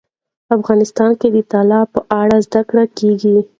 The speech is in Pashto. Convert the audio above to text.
افغانستان کې د طلا په اړه زده کړه کېږي.